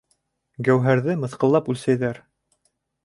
Гәүһәрҙе мыҫҡаллап үлсәйҙәр.